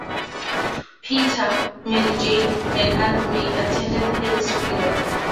Peter, Mary Jane, and Aunt May attend Harry's funeral.